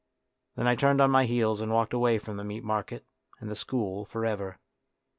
Then I turned on my heels and walked away from the Meat Market and the school for ever.